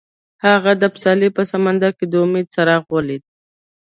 هغه د پسرلی په سمندر کې د امید څراغ ولید.